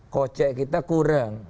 kocek kita kurang